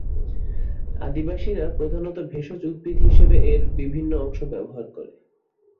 আদিবাসীরা প্রধানত ভেষজ উদ্ভিদ হিসেবে এর বিভিন্ন অংশ ব্যবহার করে।